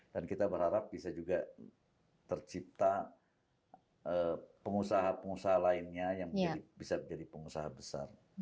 dan kita berharap bisa juga tercipta pengusaha pengusaha lainnya yang bisa menjadi pengusaha besar